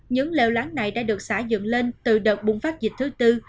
những lều láng này đã được xã dựng lên từ đợt bùng phát dịch thứ tư